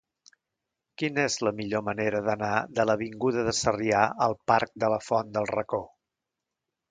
Quina és la millor manera d'anar de l'avinguda de Sarrià al parc de la Font del Racó?